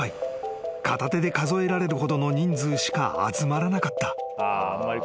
［片手で数えられるほどの人数しか集まらなかった］